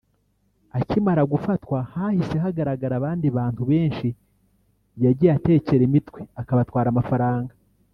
Akimara gufatwa hahise hagaragara abandi bantu benshi yagiye atekera imitwe akabatwara amafaranga